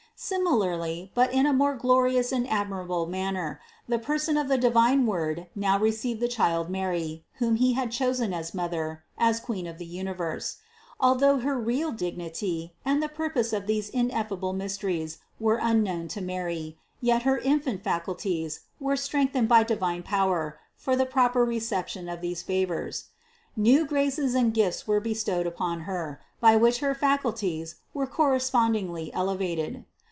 Sim ilarly, but in a more glorious and admirable manner, the person of the divine Word now received the child Mary, whom He had chosen as Mother, as Queen of the uni verse. Although her real dignity and the purpose of these ineffable mysteries were unknown to Mary, yet her infant faculties were strengthened by divine power for the proper reception of these favors. New graces and gifts were bestowed upon Her, by which her faculties were correspondingly elevated.